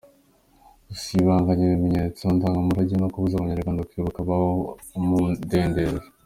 – Gusibanganya ibimenyetso ndangamurage no kubuza abanyarwanda kwibuka ababo mu mudendezo;